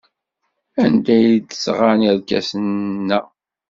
Anda ay d-sɣan irkasen-a?